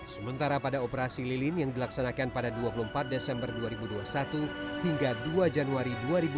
sementara pada operasi lilin yang dilaksanakan pada dua puluh empat desember dua ribu dua puluh satu hingga dua januari dua ribu dua puluh